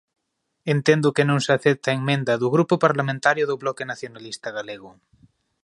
Entendo que non se acepta a emenda do Grupo Parlamentario do Bloque Nacionalista Galego.